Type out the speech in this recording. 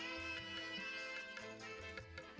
aku mau ke rumah